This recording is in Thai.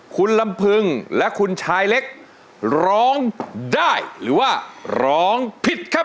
คุณลำพึงและคุณชายเล็กร้องได้หรือว่าร้องผิดครับ